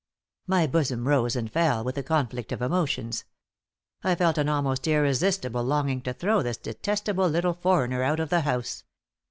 My bosom rose and fell with a conflict of emotions. I felt an almost irresistible longing to throw this detestable little foreigner out of the house.